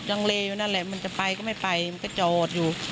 ลังเลอยู่นั่นแหละมันจะไปก็ไม่ไปมันก็จอดอยู่